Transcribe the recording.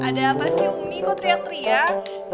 ada apa sih umi kok teriak teriak